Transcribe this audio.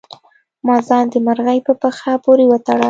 ما ځان د مرغۍ په پښه پورې وتړه.